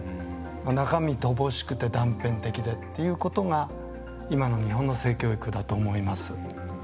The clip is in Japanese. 中身、乏しくて断片的でということが今の日本の性教育だと思います。